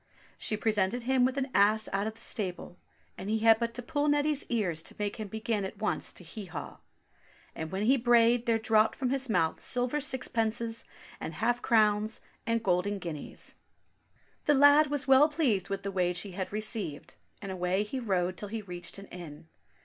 So she presented him with an ass out of the stable, and he had but to pull Neddy's ears to make him begin at once to hee haw ! And when he brayed there dropped from his mouth silver sixpences, and half crowns, and golden guineas. 34« THE ASS, THE TABLE, AND THE STICK 347 The lad was well pleased with the wage he had received, and away he rode till he reached an inn.